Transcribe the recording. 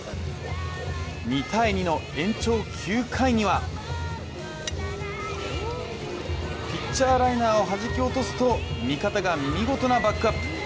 ２−２の延長９回にはピッチャーライナーをはじき落とすと味方が見事なバックアップ。